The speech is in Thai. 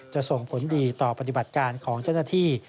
จะส่งผลดีต่อปฏิบัติการของเจ้าหน้าที่